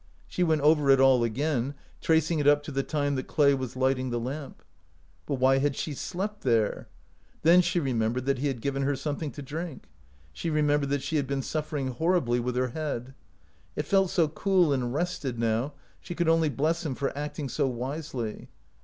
She went over it all again, tracing it up to the time that Clay was lighting the lamp. But why had she slept there? Then she remem bered that he had given her something to drink. She remembered that she had been suffering horribly with her head. It felt so cool and rested now, she could only bless him for acting so wisely.